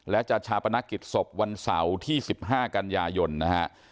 และจัดชาปนกิจศพวันเสาร์ที่๑๕กันยายนนะฮะ